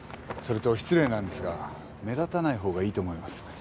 それと失礼なんですが目立たないほうがいいと思います。